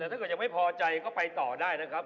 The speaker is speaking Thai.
แต่ถ้าเกิดยังไม่พอใจก็ไปต่อได้นะครับ